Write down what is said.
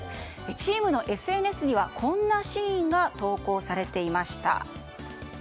チームのＳＮＳにはこんなシーンが投稿されていました。